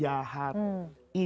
maka kita bisa berpikir